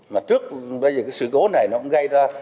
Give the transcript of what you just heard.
mà trước bây giờ cái sự cố này nó cũng gây ra